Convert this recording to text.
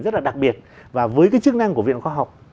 rất là đặc biệt và với cái chức năng của viện khoa học